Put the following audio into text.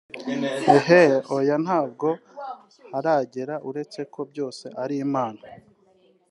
Ehhh oyaa ntabwo haragera uretse ko byose ari Imana